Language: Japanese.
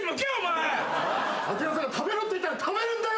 昭さんが「食べろ」って言ったら食べるんだよ！